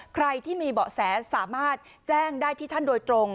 ใครที่มีเบาะแสสามารถแจ้งได้ที่ท่านโดยตรง